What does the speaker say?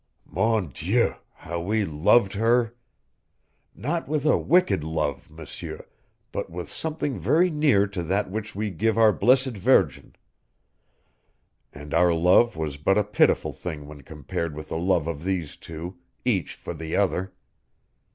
Mon Dieu, how we loved her! Not with a wicked love, M'seur, but with something very near to that which we give our Blessed Virgin. And our love was but a pitiful thing when compared with the love of these two, each for the other.